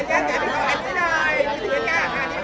สวัสดีครับ